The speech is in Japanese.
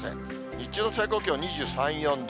日中の最高気温２３、４度。